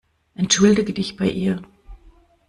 Entschuldige dich bei ihr.